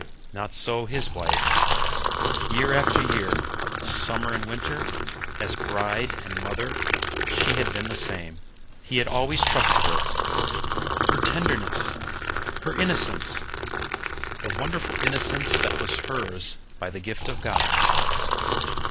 Not so his wife. Year after year, summer and winter, as bride and mother, she had been the same, he had always trusted her. Her tenderness! Her innocence! The wonderful innocence that was hers by the gift of God.